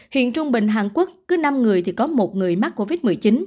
hiện trung bình hàn quốc cứ năm người thì có một người mắc covid một mươi chín